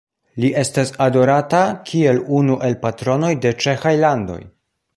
Li estas adorata kiel unu el patronoj de ĉeĥaj landoj.